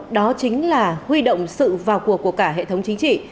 đó chính là huy động sự vào cuộc của cả hệ thống chính trị